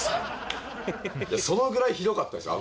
そのぐらいひどかったですよ